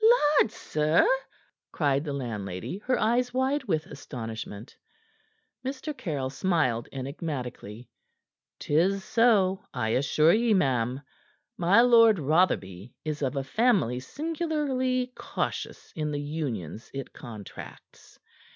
"Lard, sir!" cried the landlady, her eyes wide with astonishment. Mr. Caryll smiled enigmatically. "'Tis so, I assure ye, ma'am. My Lord Rotherby is of a family singularly cautious in the unions it contracts.